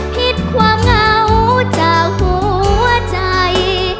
ผิดความเหงาจากหัวใจ